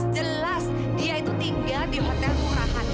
jelas dia itu tinggal di hotel murahan